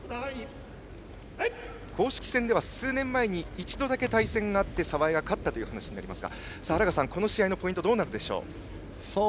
公式戦では数年前に一度だけ対戦があって澤江が勝ったということですが荒賀さん、この対戦はどうなるでしょうか。